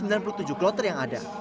dulu kloter yang ada